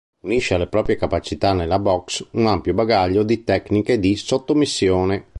Unisce alle proprie capacità nella boxe un ampio bagaglio di tecniche di sottomissione.